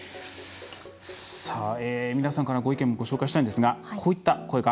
皆さんからのご意見もご紹介したいんですがこういった声が。